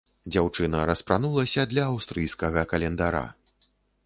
Дзяўчына распранулася для аўстрыйскага календара.